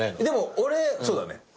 でも俺そうだね。